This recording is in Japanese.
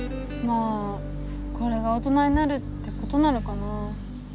あこれが大人になるってことなのかなぁ。